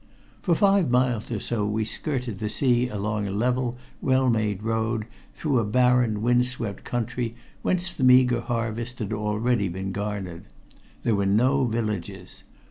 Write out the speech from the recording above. For five miles or so we skirted the sea along a level, well made road through a barren wind swept country whence the meager harvest had already been garnered. There were no villages.